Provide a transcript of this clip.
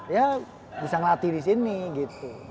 ya bisa ngelatih disini gitu